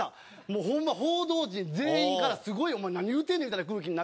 もうホンマ報道陣全員からすごいお前何言うてんねん？